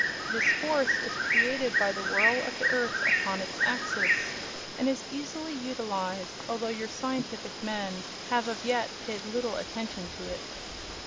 This force is created by the whirl of the earth upon its axis, and is easily utilized, although your scientific men have as yet paid little attention to it.